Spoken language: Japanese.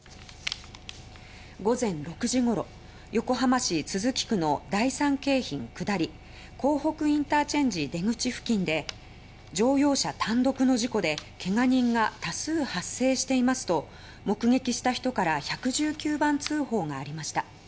午前６時ごろ横浜市都筑区の第三京浜下り港北ＩＣ出口付近で「乗用車単独の事故で怪我人が多数発生しています」と目撃した人から１１９番通報がありました。